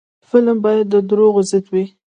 فلم باید د دروغو ضد وي